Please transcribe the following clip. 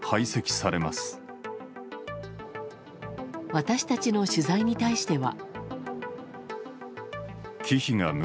私たちの取材に対しては。